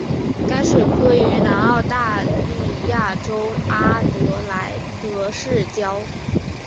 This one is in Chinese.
该水库位于南澳大利亚州阿德莱德市郊。